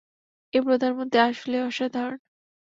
এই প্রধানমন্ত্রী আসলেই অসাধারণ!